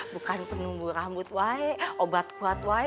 bukan penumbuh rambut wahai obat kuat wahai